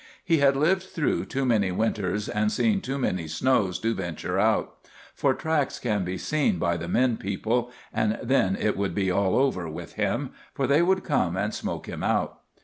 He had lived through too many winters and seen too many snows to venture out. For tracks can be seen by the men people, and then it would be all over with him, for they would come and smoke him out.